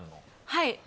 はい。